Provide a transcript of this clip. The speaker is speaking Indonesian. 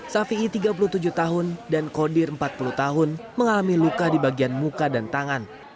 ⁇ fii ⁇ tiga puluh tujuh tahun dan kodir empat puluh tahun mengalami luka di bagian muka dan tangan